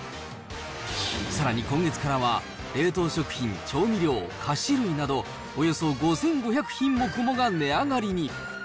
さらに今月からは、冷凍食品、調味料、菓子類など、およそ５５００品目もが値上がりに。